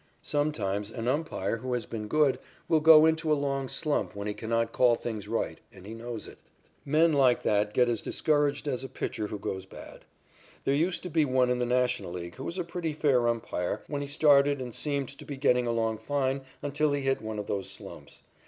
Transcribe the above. Sometimes an umpire who has been good will go into a long slump when he cannot call things right and knows it. Men like that get as discouraged as a pitcher who goes bad. There used to be one in the National League who was a pretty fair umpire when he started and seemed to be getting along fine until he hit one of those slumps.